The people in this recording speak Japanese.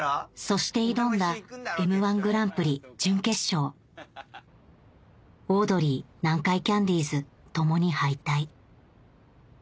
そして挑んだ『Ｍ−１グランプリ』準決勝オードリー南海キャンディーズ共に敗退